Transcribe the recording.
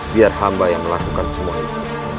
biar hamba yang melakukan semua itu